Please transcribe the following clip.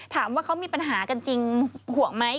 ถามว่าเขามีปัญหากันจริงห่วงไหม